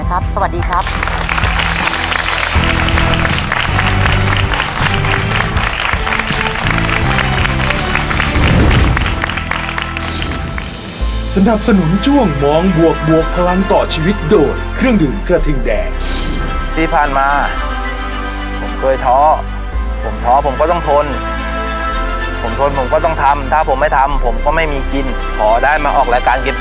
อยากจะให้เขาสบายมากกว่านี้